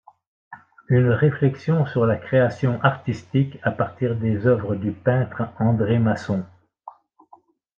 Une réflexion sur la création artistique à partir des œuvres du peintre André Masson.